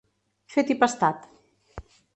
Fet i pastat.